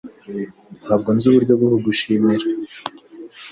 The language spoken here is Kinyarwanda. Ntabwo nzi uburyo bwo kugushimira